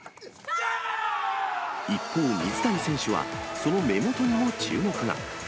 一方、水谷選手は、その目元にも注目が。